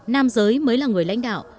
nam giới mới là người lãnh đạo